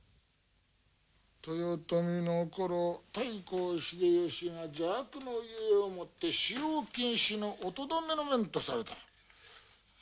豊臣の頃太閤秀吉が邪悪のゆえをもって使用禁止のお留めの面とされた。